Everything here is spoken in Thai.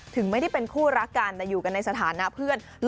ถึงไม่ได้เป็นคู่รักกันแต่อยู่กันในสถานะเพื่อน